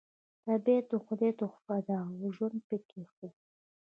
طبیعت د خدای تحفه ده او ژوند پکې ښه دی